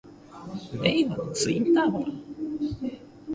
令和のツインターボだ！